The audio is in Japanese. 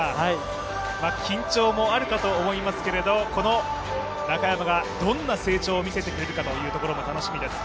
緊張もあるかと思いますけれど中山がどんな成長を見せてくれるかというところも楽しみです。